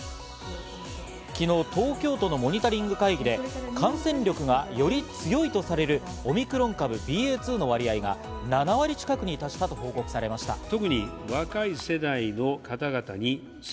昨日、東京都のモニタリング会議で、感染力がより強いとされるオミクロン株ＢＡ．２の割合が７割近くに達したと報告されました。